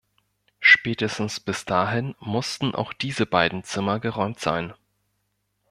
Spätestens bis dahin mussten auch diese beiden Zimmer geräumt sein.